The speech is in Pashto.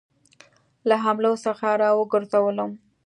له حملو څخه را وګرځوم.